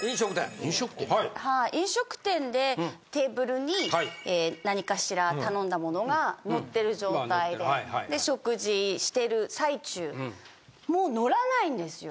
飲食店でテーブルに何かしら頼んだものがのってる状態で食事してる最中もうのらないんですよ。